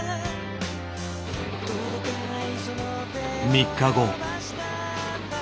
３日後。